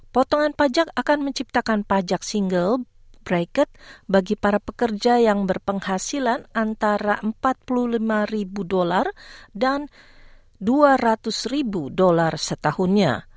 potongan pajak akan menciptakan pajak single bricket bagi para pekerja yang berpenghasilan antara empat puluh lima ribu dolar dan dua ratus ribu dolar setahunnya